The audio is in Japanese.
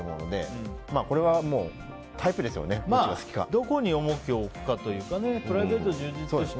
どこに重きを置くかというかプライベート充実して